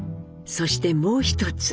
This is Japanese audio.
そしてもう一つ。